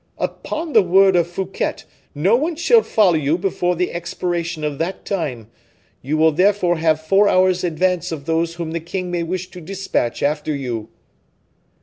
"Upon the word of Fouquet, no one shall follow you before the expiration of that time. You will therefore have four hours' advance of those whom the king may wish to dispatch after you."